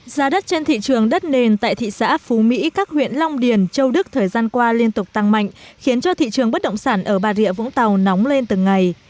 giá đất trên thị trường đất nền tại thị xã phú mỹ các huyện long điền châu đức thời gian qua liên tục tăng mạnh khiến cho thị trường bất động sản ở bà rịa vũng tàu nóng lên từng ngày